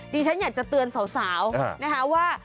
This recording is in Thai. ดิฉันอยากจะเตือนสาวนะคะว่า